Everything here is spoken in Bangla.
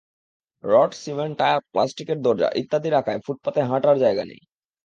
রড, সিমেন্ট, টায়ার, প্লাস্টিকের দরজা ইত্যাদি রাখায় ফুটপাতে হাঁটার জায়গা নেই।